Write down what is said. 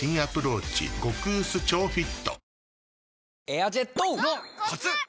エアジェットォ！のコツ！